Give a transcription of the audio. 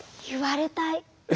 言われたい。